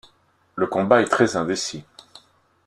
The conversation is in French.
Le combat est très indécis.